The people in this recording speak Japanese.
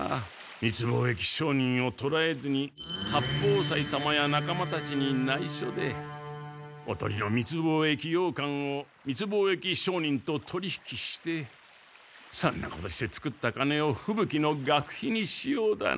密貿易商人をとらえずに八方斎様やなかまたちにないしょでおとりの密貿易ヨーカンを密貿易商人と取り引きしてそんなことして作った金をふぶ鬼の学費にしようだなんて。